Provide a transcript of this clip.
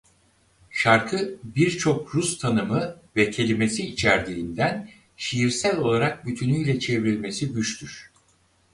Şarkı birçok Rus tanımı ve kelimesi içerdiğinden şiirsel olarak bütünüyle çevrilmesi güçtür.